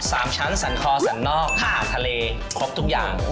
สามชั้นสันคอสันนอกอาหารทะเลครบทุกอย่าง